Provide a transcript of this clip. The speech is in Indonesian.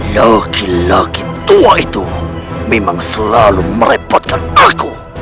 laki laki tua itu memang selalu merepotkan aku